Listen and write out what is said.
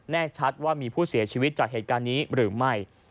ชัดว่ามีผู้เสียชีวิตจากเหตุการณ์นี้หรือไม่